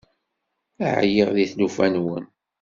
Ɛyiɣ di tlufa-nwen.